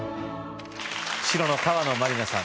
白の河野万里奈さん